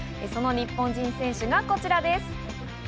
その日本人選手がこちらです。